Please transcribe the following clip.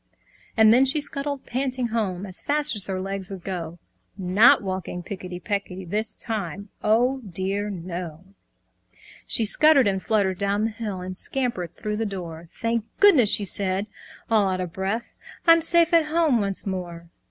And then she scuttled panting home As fast as her legs would go, Not walking picketty pecketty This time, oh dear no! She scuttered and fluttered down the hill, And scampered through her door. "Thank goodness!" she said, all out of breath, "I'm safe at home once more!"